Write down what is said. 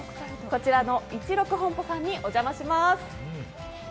こちらの一六本舗さんにお邪魔します。